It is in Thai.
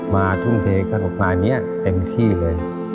มาทุ่มเทกสำหรับประมาณนี้เต็มที่เลย